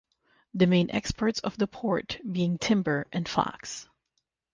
The main exports of the port being timber and flax.